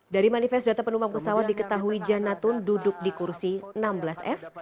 dari manifest data penumpang pesawat diketahui janatun duduk di kursi enam belas f